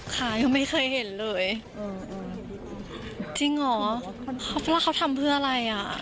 ค่ะยังไม่เคยเห็นเลยอืมจริงเหรอเพราะเขาทำเพื่ออะไรอ่ะ